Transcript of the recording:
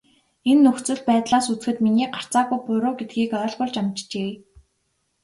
Энэ нөхцөл байдлаас үзэхэд миний гарцаагүй буруу гэдгийг ойлгуулж амжжээ.